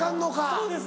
そうです。